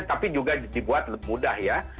tapi juga dibuat mudah ya